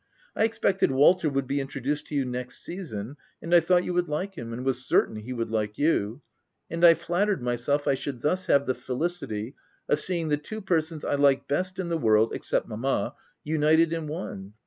1 22 THE TENANT expected Walter would be introduced to you next season ; and I thought you would like him, and was certain he would like you ; and I flattered myself I should thus have the felicity of seeing the two persons I like best in the world — except mamma — united in one.